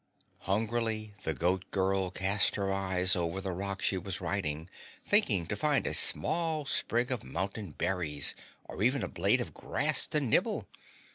Hungrily the Goat Girl cast her eyes over the rock she was riding, thinking to find a small sprig of mountain berries or even a blade of grass to nibble.